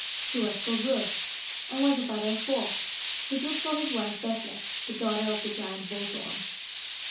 He was called Bur, and was the father of Bor, who took for his wife Besla, the daughter of the giant Bolthorn.